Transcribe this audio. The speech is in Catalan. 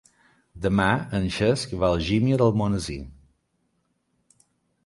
Demà en Cesc va a Algímia d'Almonesir.